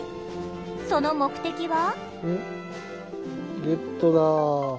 その目的は。